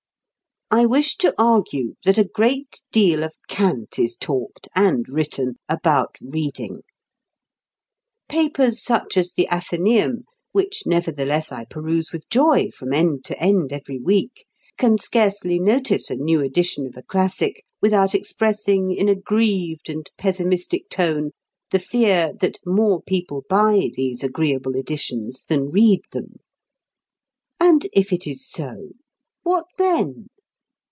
I wish to argue that a great deal of cant is talked (and written) about reading. Papers such as the "Anthenæum," which nevertheless I peruse with joy from end to end every week, can scarcely notice a new edition of a classic without expressing, in a grieved and pessimistic tone, the fear that more people buy these agreeable editions than read them. And if it is so? What then?